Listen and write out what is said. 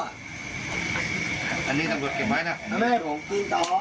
อันนี้ตำรวจเก็บไว้นะ